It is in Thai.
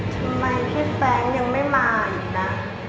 ทำไมพี่แฟ้งยังไม่มาอีกนะ